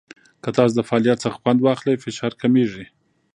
که تاسو د فعالیت څخه خوند واخلئ، فشار کمېږي.